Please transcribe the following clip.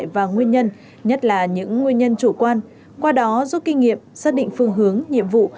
và nguyên nhân nhất là những nguyên nhân chủ quan qua đó giúp kinh nghiệm xác định phương hướng nhiệm vụ